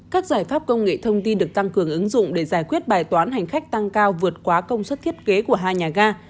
các giải pháp công nghệ thông tin được tăng cường ứng dụng để giải quyết bài toán hành khách tăng cao vượt quá công suất thiết kế của hai nhà ga